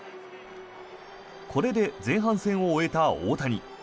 これで前半戦を終えた大谷。